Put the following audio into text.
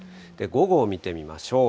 午後を見てみましょう。